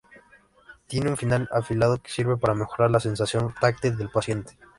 Tiene un final afilado que sirve para mejorar la sensación táctil del paciente.